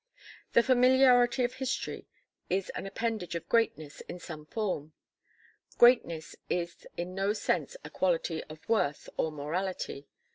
The familiarity of history is an appanage of greatness in some form. Greatness is in no sense a quality of worth or morality.